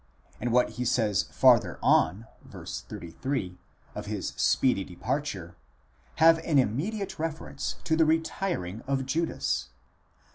and what he says farther on (v. 33) of his speedy departure, have an immediate reference to the retiring of Judas.